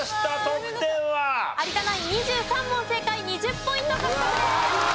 有田ナイン２３問正解２０ポイント獲得です。